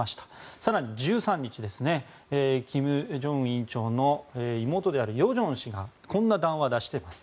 更に１３日金正恩総書記の妹である与正氏がこんな談話を出しています。